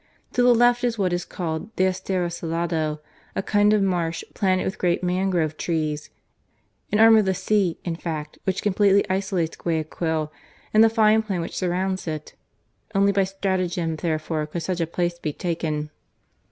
To the left is what is called the Estero Salado" — a kind of marsh planted with great mangrove trees — an arm of the sea, in fact, which completely isolates Guayaquil and the fine plain which surrounds it. Only by stratagem, there fore, could such a place be taken.